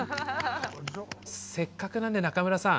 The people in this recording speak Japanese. せっかくなんで中村さん